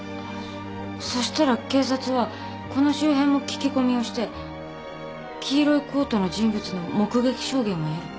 そしたら警察はこの周辺も聞き込みをして黄色いコートの人物の目撃証言を得る。